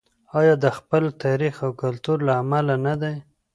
آیا د خپل تاریخ او کلتور له امله نه دی؟